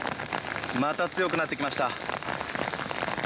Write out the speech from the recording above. また強くなってきました。